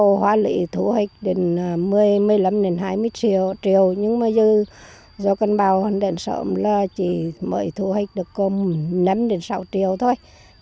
thu hoa lý thu hoạch đến một mươi một mươi năm hai mươi triệu nhưng mà giờ do cơn bão hoa lý đèn sợ là chỉ mỗi thu hoạch được năm đến sáu triệu thôi